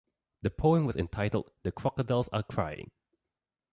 The poem was entitled "The Crocodiles are Crying".